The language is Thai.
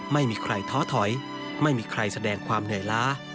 ไม่มีใครท้อถอยไม่มีใครแสดงความเหนื่อยล้า